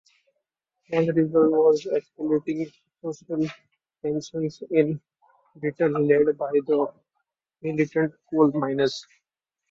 One result was escalating social tensions in Britain, led by the militant coal miners.